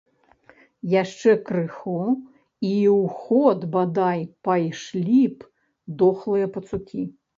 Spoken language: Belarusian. Яшчэ крыху, і ў ход, бадай, пайшлі б дохлыя пацукі.